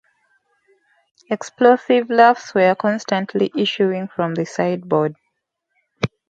Explosive laughs were constantly issuing from the sideboard.